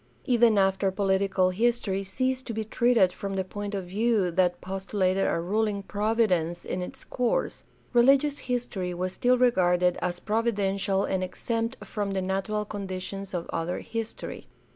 Even after political history ceased to be treated from the point of view that postulated a ruling Providence in its course, religious history was still regarded as providential and exempt from the natural conditions of other history.